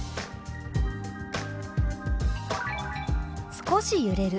「少し揺れる」。